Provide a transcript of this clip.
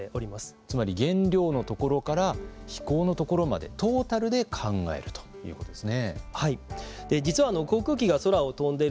つまり原料のところから飛行のところまでトータルで考えるということですね。